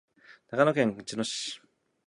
長野県茅野市